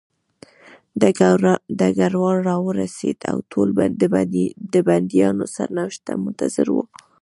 ډګروال راورسېد او ټول د بندیانو سرنوشت ته منتظر وو